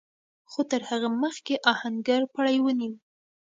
خو تر هغه مخکې آهنګر پړی ونيو.